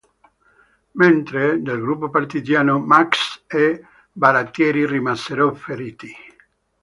Mentre, del gruppo partigiano, "Max" e "Baratieri" rimasero feriti.